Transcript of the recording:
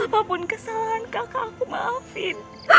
apapun kesalahan kakak aku maafin